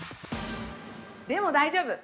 ◆でも大丈夫。